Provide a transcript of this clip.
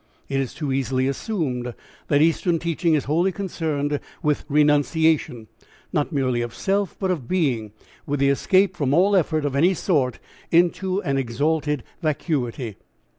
It is too easily assumed that Eastern teaching is wholly concerned with renunciation, not merely of self but of being, with the escape from all effort of any sort into an exalted vacuity.